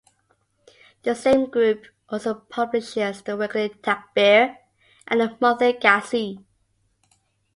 The same group also publishes the "Weekly Takbeer" and the "Monthly Ghazi".